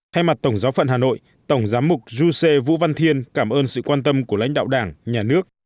thay mặt tổng giáo phận hà nội tổng giám mục giê vũ văn thiên cảm ơn sự quan tâm của lãnh đạo đảng nhà nước